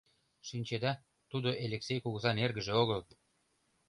Шинчеда, тудо Элексей кугызан эргыже огыл.